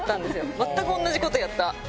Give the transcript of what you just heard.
全く同じことやった。